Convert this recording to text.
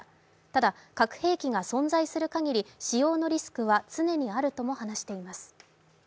ただ、核兵器が存在するかぎり使用のリスクは常にあるとも話しています。